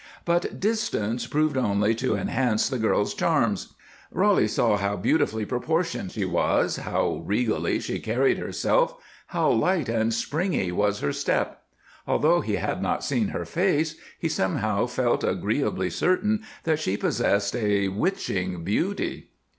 But distance served only to enhance the girl's charms. Roly saw how beautifully proportioned she was, how regally she carried herself, how light and springy was her step. Although he had not seen her face, he somehow felt agreeably certain that she possessed a witching beauty.